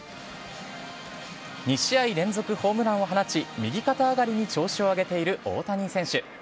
２試合連続ホームランを放ち、右肩上がりに調子を上げている大谷選手。